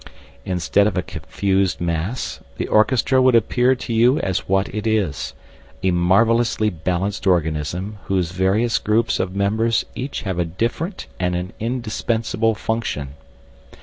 Instead of a confused mass, the orchestra would appear to you as what it is a marvellously balanced organism whose various groups of members each have a different and an indispensable function.